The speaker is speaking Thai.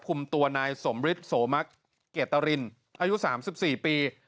คุมตัวนายสมฤษสมคเกตาลินอายุ๓๔ปี